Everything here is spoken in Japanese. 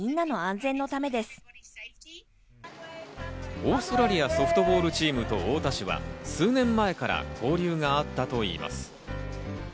オーストラリアソフトボールチームと太田市は数年前から交流があったといいます。